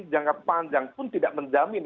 jangka panjang pun tidak menjamin